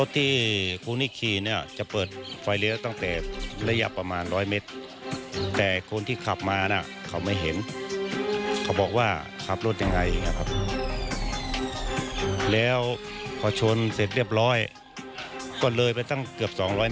ที่คนที่ขี่เนี่ยจะเปิดไฟเลี้ยวตั้งแต่ระยะประมาณ๑๐๐เมตรแต่คนที่ขับมาน่ะเขาไม่เห็นเขาบอกว่าขับรถยังไงแล้วพอชนเสร็จเรียบร้อยก็เลยไปตั้งเกือบ๒๐๐เมตร